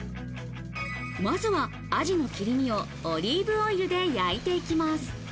まずはアジの切り身をオリーブオイルで焼いていきます。